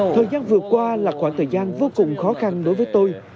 thời gian vừa qua là khoảng thời gian vô cùng khó khăn đối với tôi